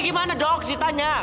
gimana dok citanya